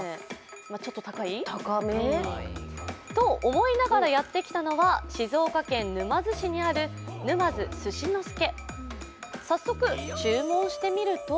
ちょっと高い？と思いながらやってきたのは静岡県沼津市にある沼津すし之助。